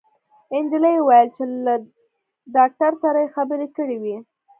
انجلۍ وويل چې له داکتر سره يې خبرې کړې وې